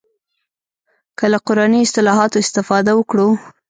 که له قراني اصطلاحاتو استفاده وکړو.